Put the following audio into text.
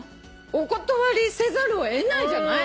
お断りせざるを得ないじゃない？